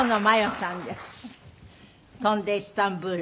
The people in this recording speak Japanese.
『飛んでイスタンブール』